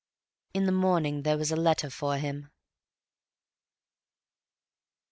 In the morning there was a letter for him.